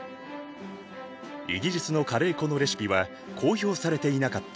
イギリスのカレー粉のレシピは公表されていなかった。